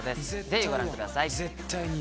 ぜひご覧ください。